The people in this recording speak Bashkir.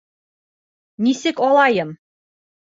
Нисек алайым?